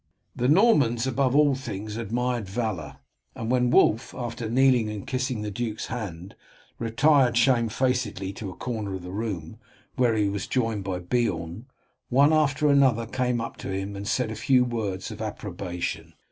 The Normans above all things admired valour, and when Wulf, after kneeling and kissing the duke's hand, retired shamefacedly to a corner of the room, where he was joined by Beorn, one after another came up to him and said a few words of approbation.